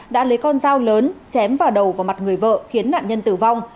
đã lấy con dao lớn chém vào đầu vào mặt người vợ khiến nạn nhân tử vong